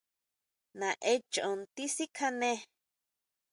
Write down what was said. ¿Naen choón tisikjané?